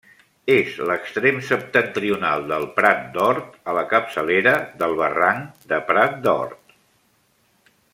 És l'extrem septentrional del Prat d'Hort, a la capçalera del barranc de Prat d'Hort.